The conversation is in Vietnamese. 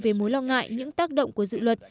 về mối lo ngại những tác động của dự luật